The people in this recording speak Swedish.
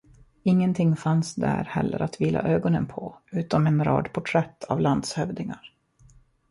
Ingenting fanns där heller att vila ögonen på utom en rad porträtt av landshövdingar.